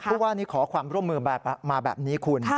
ว่านี่ขอความร่วมมือมาแบบนี้คุณ